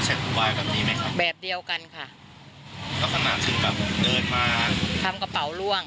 เช็คอุบายแบบนี้ไหมครับแบบเดียวกันค่ะแล้วขนาดถึงแบบเดินมาทำกระเป๋าล่วง